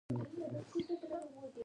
د هېواد خبريالان مسافر سوي خواران.